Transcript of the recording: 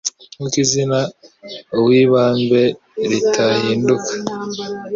nkuko izina Uwibambe ritahinduka